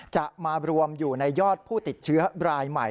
จะมารวมอยู่ในยอดผู้ติดเชื้อรายใหม่